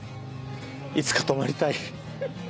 いつか泊まりたい。